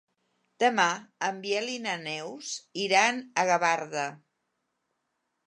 Demà en Biel i na Neus iran a Gavarda.